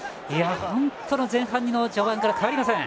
前半の序盤から変わりません。